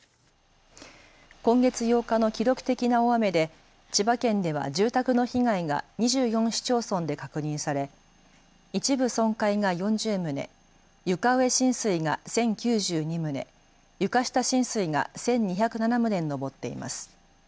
今月８日の記録的な大雨で千葉県では住宅の被害が２４市町村で確認され一部損壊が４０棟、床上浸水が１０９２棟、床下浸水が１２０７棟に上っています。